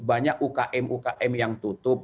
banyak ukm ukm yang tutup